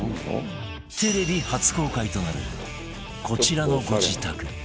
テレビ初公開となるこちらのご自宅